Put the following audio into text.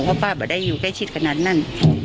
เพราะป้าไม่ได้อยู่ใกล้ชิดขนาดนั้น